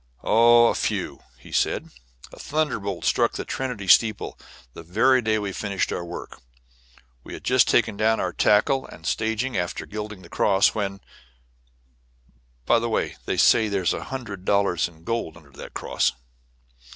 "Oh, a few," he said. "A thunderbolt struck the Trinity steeple the very day we finished our work. We had just taken down our tackle and staging after gilding the cross when by the way, they say there's a hundred dollars in gold under that cross."